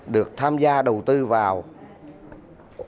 được tham gia đầu tư vào